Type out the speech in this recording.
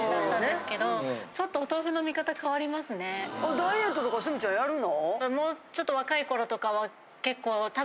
ダイエットとか鷲見ちゃんやるの？